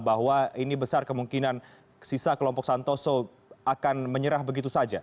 bahwa ini besar kemungkinan sisa kelompok santoso akan menyerah begitu saja